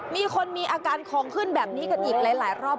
มีคนมีอาการของขึ้นแบบนี้กันอีกหลายรอบ